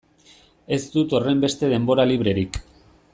Ez dut horrenbeste denbora librerik.